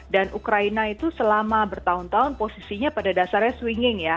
dan ukraina itu selama bertahun tahun posisinya pada dasarnya swinging ya